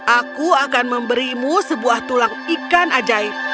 aku akan memberimu sebuah tulang ikan ajaib